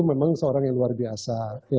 memang seorang yang luar biasa